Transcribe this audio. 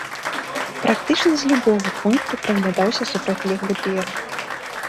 Практычна з любога пункту праглядаўся супрацьлеглы бераг.